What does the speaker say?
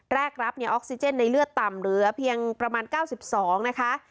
แรกรับออกซิเจนในเลือดต่ำเหลือเพียงประมาณ๙๒นะคะ